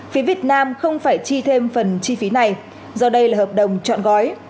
phía việt nam không phải chi thêm phần chi phí này do đây là hợp đồng chọn gói